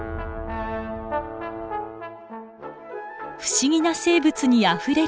不思議な生物にあふれる深海。